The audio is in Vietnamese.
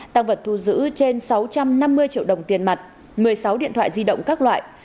tăng vật thu giữ trên sáu trăm năm mươi triệu đồng tiền mặt một mươi sáu điện thoại di động các loại